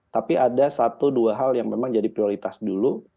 tapi ada satu dua hal yang memang jadi prioritas dulu